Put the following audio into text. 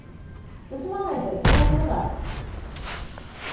慎まないといけないことがある